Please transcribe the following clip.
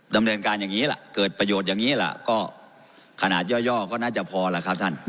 ดำเนินการอย่างนี้ล่ะเกิดประโยชน์อย่างนี้ล่ะก็ขนาดย่อก็น่าจะพอล่ะครับท่าน